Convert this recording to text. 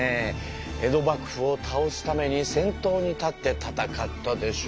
江戸幕府を倒すために先頭に立って戦ったでしょ。